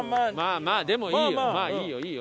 まあいいよいいよいいよ。